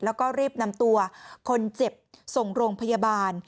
แล้วก็รีบนำตัวคนเจ็บส่งโรงพยาบาล